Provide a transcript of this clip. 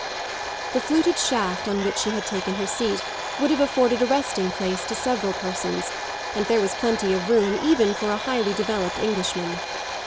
The fluted shaft on which she had taken her seat would have afforded a resting place to several persons, and there was plenty of room even for a highly developed Englishman.